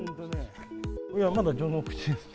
いや、まだ序の口ですね。